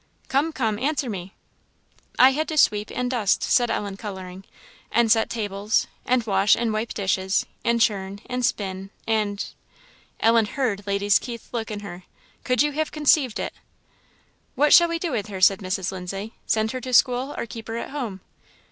"Come, come! answer me." "I had to sweep and dust," said Ellen, colouring, "and set tables and wash and wipe dishes and churn and spin and " Ellen heard Lady Keith's look in her, "Could you have conceived it!" "What shall we do with her?" said Mrs. Lindsay; "send her to school, or keep her at home?"